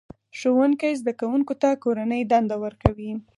ښوونکی زده کوونکو ته کورنۍ دنده ورکوي